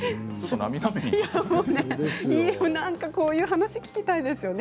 こういう話、聞きたいですよね